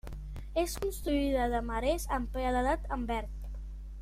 És construïda de marès amb paredat en verd.